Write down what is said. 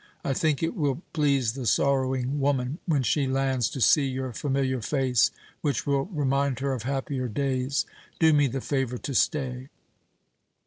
I think it will please the sorrowing woman, when she lands, to see your familiar face, which will remind her of happier days. Do me the favour to stay."